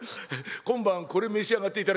今晩これ召し上がっていただきます。